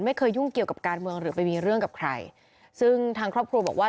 ยุ่งเกี่ยวกับการเมืองหรือไปมีเรื่องกับใครซึ่งทางครอบครัวบอกว่า